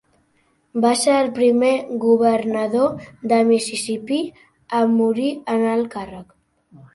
Va ser el primer governador de Mississipí a morir en el càrrec.